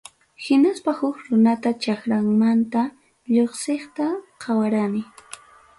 Hinaspa huk runata chakramanta lluqsiqta qawarani.